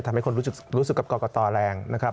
ทำให้คนรู้สึกกับกรกตแรงนะครับ